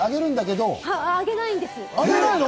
はい、あげないんです。